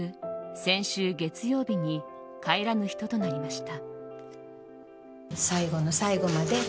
先週月曜日に帰らぬ人となりました。